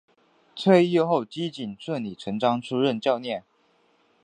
退役后基瑾顺理成章出任教练。